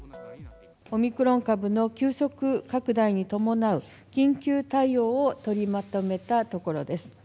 オミクロン株の急速拡大に伴う緊急対応を取りまとめたところです。